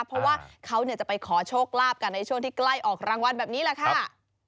เพราะว่าเขาจะไปขอโชคลาภกันในช่วงที่ใกล้ออกรางวัลแบบนี้แหละค่ะ